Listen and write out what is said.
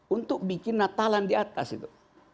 untuk bikin natalan di atas itu